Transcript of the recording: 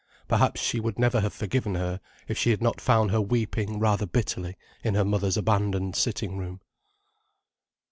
Perhaps she would never have forgiven her if she had not found her weeping rather bitterly in her mother's abandoned sitting room.